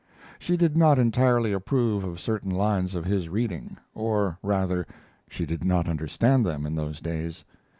She did not entirely approve of certain lines of his reading; or, rather, she did not understand them in those days.